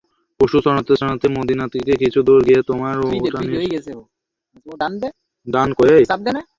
পশু চরাতে চরাতে মদীনা থেকে কিছু দূর গিয়ে তোমার উটনীর উপর চেপে বসবে।